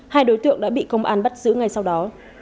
hai đối tượng đã bị công an bắt giữ ngay sau đó